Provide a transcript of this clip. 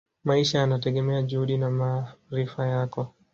maisha yanategemea juhudi na maarifa yako